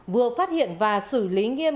vừa phát hiện và xử lý nghiêm